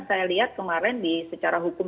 saya lihat kemarin secara hukum